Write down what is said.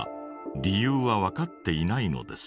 理由はわかっていないのです。